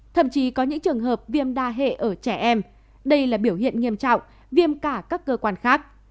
thậm chí có những trường hợp viêm đa hệ ở trẻ em đây là biểu hiện nghiêm trọng viêm cả các cơ quan khác